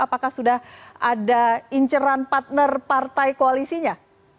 apakah sudah ada inceran partner partai koalisinya